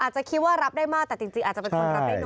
จะคิดว่ารับได้มากแต่จริงอาจจะเป็นคนรับได้น